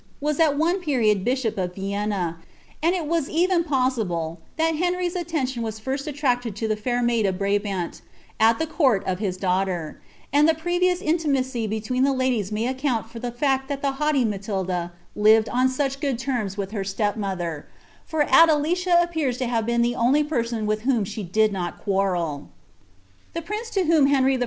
waa >l 000 period bishop of Vienna, and it is even possible that Henry'a anantion was first aitracted lo the fair maid of Brabant at the court of Im danghlrr; and the previous intimacy between the ladies may accoui.l (or (hr fact tltat the haughty Slatilda lived on such good terms with her I IS8 AOELICI.V OF LOVVAIHB. ■tep moiher; for AilelicLi njipeurs in linvc bt eu the only person ttiih whom sKe did not quarrel. The princp lo whom Henry I.